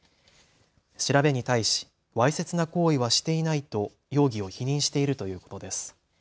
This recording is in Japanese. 調べに対し、わいせつな行為はしていないと容疑を否認しているということです。